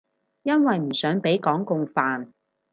因為唔想畀港共煩